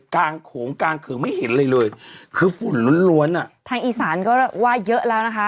โขงกลางเขื่องไม่เห็นอะไรเลยคือฝุ่นล้วนล้วนอ่ะทางอีสานก็ว่าเยอะแล้วนะคะ